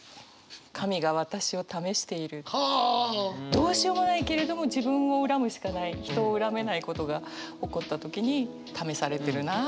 どうしようもないけれども自分を恨むしかない人を恨めないことが起こった時に試されてるな。